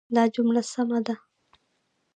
دا جمله سمه ده.